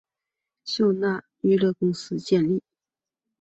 透纳娱乐公司建立。